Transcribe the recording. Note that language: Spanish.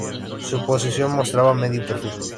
Su posición mostraba medio perfil.